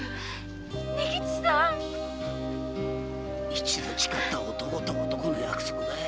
一度誓った男と男の約束だい。